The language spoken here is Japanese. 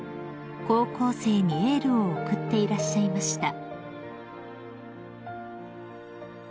高校生にエールを送っていらっしゃいました］